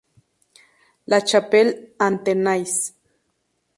La Chapelle-Anthenaise